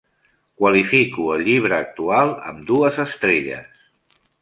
qualifico el llibre actual amb dues estrelles